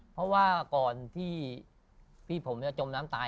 เพราะว่าก่อนที่พี่ผมจมน้ำตาย